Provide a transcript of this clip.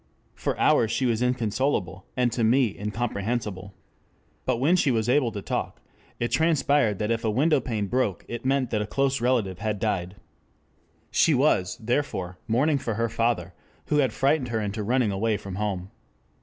For hours she was inconsolable, and to me incomprehensible. But when she was able to talk, it transpired that if a window pane broke it meant that a close relative had died. She was, therefore, mourning for her father, who had frightened her into running away from home.